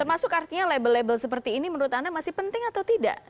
termasuk artinya label label seperti ini menurut anda masih penting atau tidak